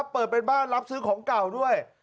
เปิดเป็นบ้านรับซื้อของเก่าด้วย